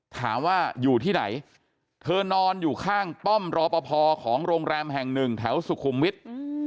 ถามว่าอยู่ที่ไหนเธอนอนอยู่ข้างป้อมรอปภของโรงแรมแห่งหนึ่งแถวสุขุมวิทย์